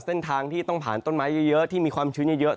เส้นทางที่ต้องผ่านต้นไม้เยอะที่มีความชื้นเยอะ